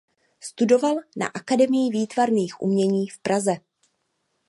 Studoval na Akademii výtvarných umění v Praze.